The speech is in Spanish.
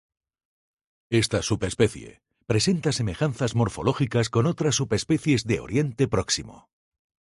Esta subespecie presenta semejanzas morfológicas con otras subespecies de Oriente Próximo.